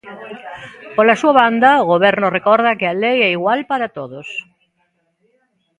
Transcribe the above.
Pola súa banda, o Goberno recorda que a lei é igual para todos.